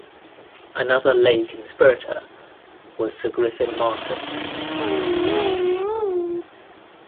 Another lay conspirator was Sir Griffin Markham.